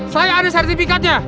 saya ada sertifikatnya